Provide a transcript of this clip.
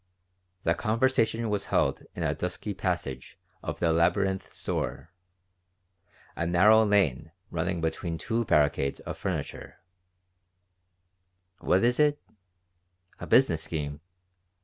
The conversation was held in a dusky passage of the labyrinthine store, a narrow lane running between two barricades of furniture "What is that? A business scheme?"